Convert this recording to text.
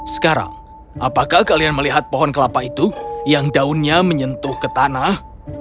sekarang apakah kalian melihat pohon kelapa itu yang daunnya menyentuh ke tanah